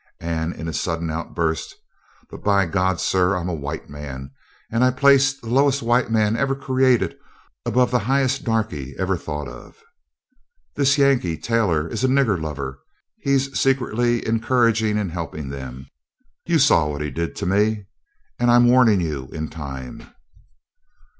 And in a sudden outburst "But, by God, sir! I'm a white man, and I place the lowest white man ever created above the highest darkey ever thought of. This Yankee, Taylor, is a nigger lover. He's secretly encouraging and helping them. You saw what he did to me, and I'm warning you in time."